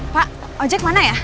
pak ojek mana ya